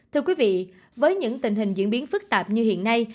thưa quý vị với những tình hình diễn biến phức tạp như hiện nay